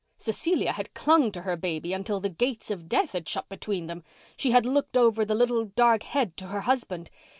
Cecilia had clung to her baby until the gates of death had shut between them. She had looked over the little dark head to her husband.